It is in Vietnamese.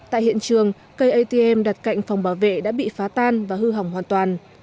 tại hiện trường cây atm đặt cạnh phòng bảo vệ đã bị phá tan và hư hỏng hoàn toàn